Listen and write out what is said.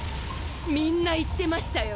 みんな言ってましたよ！